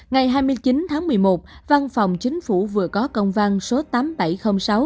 ngày hai mươi chín tháng một mươi một văn phòng chính phủ vừa có công văn số tám nghìn bảy trăm linh sáu